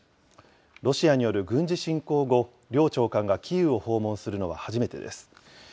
ロシアによる軍事侵攻後、両長官がキーウを訪問するのは初めてです。